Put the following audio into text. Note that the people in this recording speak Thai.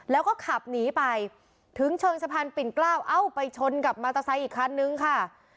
แล้วก็ขับหนีไปถึงเชิงสะพานปิ่นเกล้าเอ้าไปชนกับมอเตอร์ไซค์อีกคันนึงค่ะ